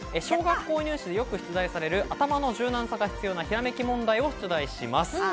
小学校入試でよく出題される頭の柔軟さが必要なひらめき問題を出題します。